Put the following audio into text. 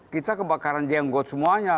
kita kebakaran jenggot semuanya